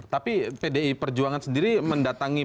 tapi pdi perjuangan sendiri mendatangi